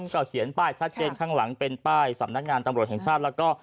ก็เขียนป้ายชัดเจนข้างหลังเป็นป้ายสำนักงานตำรวจแห่งชาติแล้วก็